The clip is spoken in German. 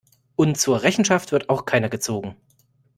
Und zur Rechenschaft wird auch keiner gezogen.